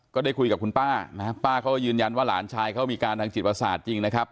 ก็ได้คุยกับคุณป้านะฮะป้าเขาก็ยืนยันว่าหลานชายเขามีการทางจิตประสาทจริงนะครับ